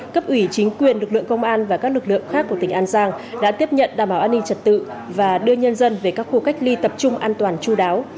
cấp ủy chính quyền lực lượng công an và các lực lượng khác của tỉnh an giang đã tiếp nhận đảm bảo an ninh trật tự và đưa nhân dân về các khu cách ly tập trung an toàn chú đáo